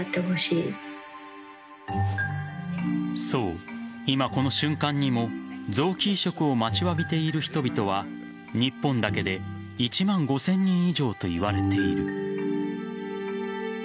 そう、今この瞬間にも臓器移植を待ちわびている人々は日本だけで１万５０００人以上といわれている。